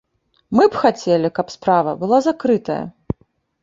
Мы б хацелі, каб справа была закрытая.